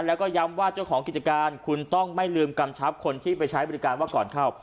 แล้วก็ย้ำว่าเจ้าของกิจการคุณต้องไม่ลืมกำชับคนที่ไปใช้บริการว่าก่อนเข้า